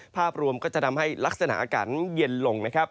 ภาพรวมก็จะทำให้ลักษณะอากาศเย็นลง